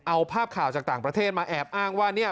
เอาภาพข่าวจากต่างประเทศมาแอบอ้างว่า